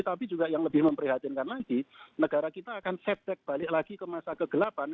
tapi juga yang lebih memprihatinkan lagi negara kita akan setback balik lagi ke masa kegelapan